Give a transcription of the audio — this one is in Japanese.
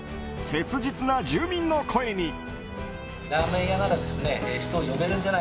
切実な住民の声に。